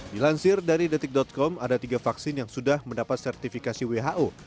dilansir dari detik com ada tiga vaksin yang sudah mendapat sertifikasi who